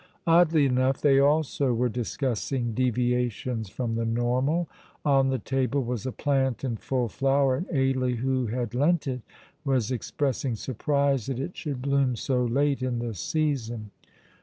Oddly enough, they also were discussing deviations from the normal. On the table was a plant in full flower, and Ailie, who had lent it, was expressing surprise that it should bloom so late in the season.